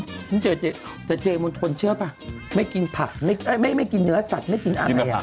อยู่นี่เจ่าเจแต่เจ๊มนทลเชื่อไม่กินพักไม่กินเนื้อสัตว์ไม่กินอะไรอ่ะ